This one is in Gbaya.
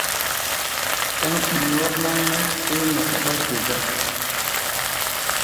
Ɗáŋ ɓi̧ɔ̧r náŋ-mɛ́ héé ŋma ɓáɓá te gá.